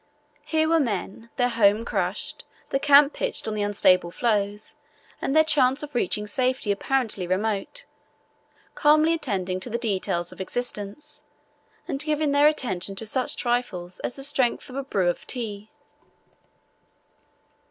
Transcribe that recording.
Here were men, their home crushed, the camp pitched on the unstable floes, and their chance of reaching safety apparently remote, calmly attending to the details of existence and giving their attention to such trifles as the strength of a brew of tea.